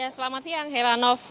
selamat siang heranov